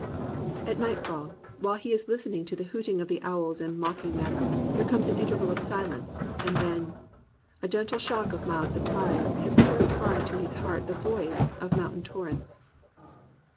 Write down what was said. At nightfall, while he is listening to the hooting of the owls and mocking them, there comes an interval of silence, and then a gentle shock of mild surprise Has carried far into his heart the voice Of mountain torrents."